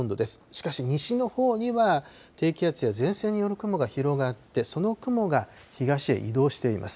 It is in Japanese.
しかし、西のほうには、低気圧や前線による雲が広がって、その雲が東へ移動しています。